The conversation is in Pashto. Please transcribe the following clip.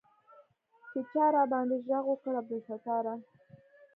چې چا راباندې ږغ وکړ عبدالستاره.